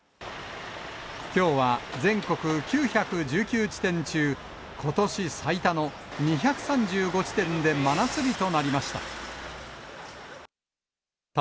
きょうは全国９１９地点中、ことし最多の２３５地点で真夏日となりました。